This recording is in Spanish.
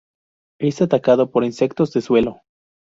Es atacado por insectos del suelo.